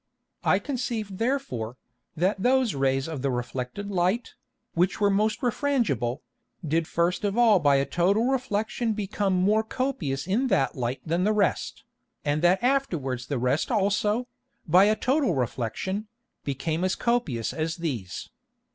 I conceived therefore, that those Rays of the reflected Light, which were most refrangible, did first of all by a total Reflexion become more copious in that Light than the rest, and that afterwards the rest also, by a total Reflexion, became as copious as these.